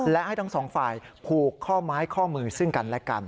และให้ทั้งสองฝ่ายผูกข้อไม้ข้อมือซึ่งกันและกัน